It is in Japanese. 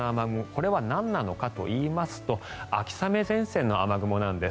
これはなんなのかといいますと秋雨前線の雨雲なんです。